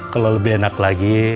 kalau lebih enak lagi